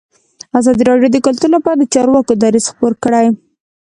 ازادي راډیو د کلتور لپاره د چارواکو دریځ خپور کړی.